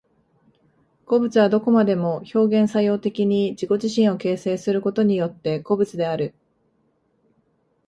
個物はどこまでも表現作用的に自己自身を形成することによって個物である。